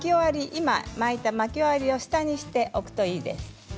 今巻いた巻き終わりを下に入れておくといいです。